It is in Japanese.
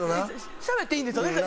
しゃべっていいんですよね？